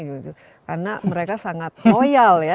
karena mereka sangat loyal ya